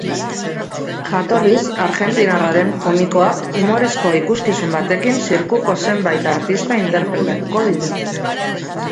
Jatorriz argentinarra den komikoak umorezko ikuskizun batekin zirkuko zenbait artista interpretatuko ditu.